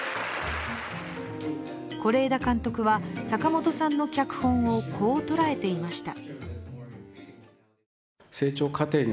是枝監督は坂元さんの脚本をこう捉えていました。